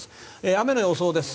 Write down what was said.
雨の予想です。